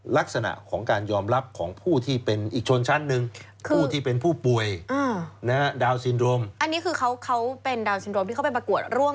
ลักษณะของการยอมรับของผู้ที่เป็นอีกชนชั้นนึง